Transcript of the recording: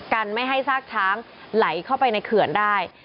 กันไม่ให้ซากช้างไหลเข้าไปในเขื่อนได้